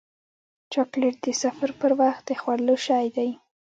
چاکلېټ د سفر پر وخت د خوړلو شی دی.